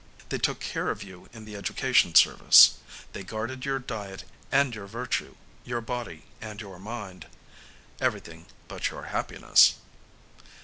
They took care of you in the Education Service; they guarded your diet and your virtue, your body and your mind. Everything but your happiness.